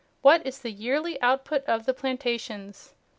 What is the yearly output of the plantations?